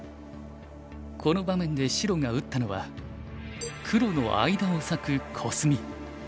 この場面で白が打ったのは黒の間を裂くコスミ。